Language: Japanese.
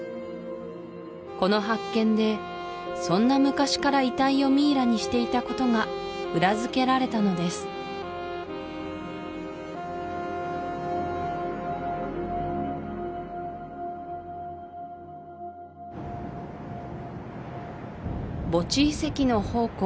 この発見でそんな昔から遺体をミイラにしていたことが裏付けられたのです墓地遺跡の宝庫